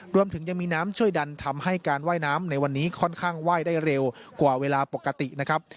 รวมถึงยังมีน้ำช่วยดันทำให้การว่ายน้ำในวันนี้ค่อนข้างไหว้ได้เร็วกว่าเวลาปกตินะครับ